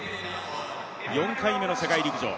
４回目の世界陸上。